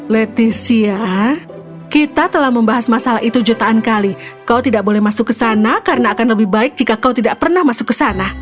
leticia kita telah membahas masalah itu jutaan kali kau tidak boleh masuk ke sana karena akan lebih baik jika kau tidak pernah masuk ke sana